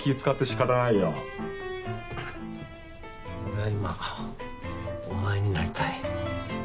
俺は今お前になりたい。